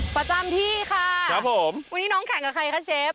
ประจำที่ค่ะวันนี้น้องแข่งกับใครครับเชฟ